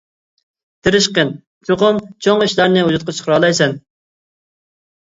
تىرىشقىن، چوقۇم چوڭ ئىشلارنى ۋۇجۇدقا چىقىرالايسەن.